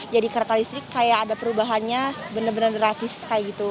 jadi kereta listrik kayak ada perubahannya bener bener gratis kayak gitu